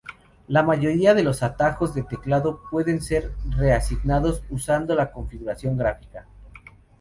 La mayoría de los atajos de teclado pueden ser reasignados usando la configuración gráfica.